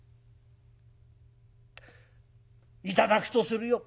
「頂くとするよ」。